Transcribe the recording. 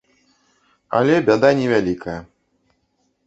Але бяда не вялікая.